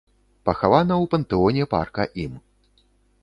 Пахавана ў пантэоне парка ім.